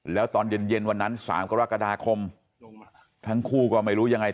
แล้วตอนเย็นวันนั้น๓กรกฎาคมทั้งคู่ก็ไม่รู้ยังไง